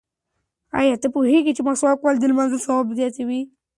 ایا ته پوهېږې چې مسواک وهل د لمانځه ثواب زیاتوي؟